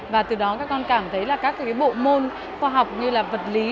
và từ đó các con cảm thấy là các cái bộ môn khoa học như là vật lý